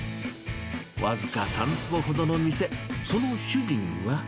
僅か３坪ほどの店、その主人は。